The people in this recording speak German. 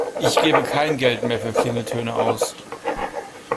Ich gebe kein Geld mehr für Klingeltöne aus.